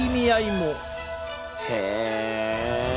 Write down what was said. へえ！